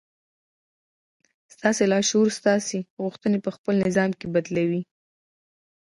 ستاسې لاشعور ستاسې غوښتنې پهخپل نظام کې بدلوي